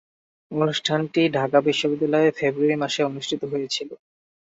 অনুষ্ঠানটি ঢাকা বিশ্ববিদ্যালয়ে ফেব্রুয়ারি মাসে অনুষ্ঠিত হয়েছিলো।